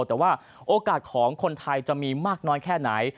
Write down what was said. แต่ว่าโอกาสของคนไทยจะมีมากน้อยแค่ไหน